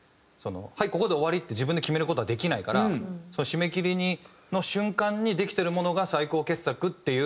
はいここで終わりって自分で決める事はできないから締め切りの瞬間にできているものが最高傑作っていう。